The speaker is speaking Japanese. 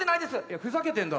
ふざけてんだろ。